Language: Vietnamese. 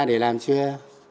để làm chưa